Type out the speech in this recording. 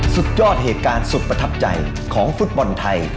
สุดยอดเหตุการณ์สุดประทับใจของฟุตบอลไทย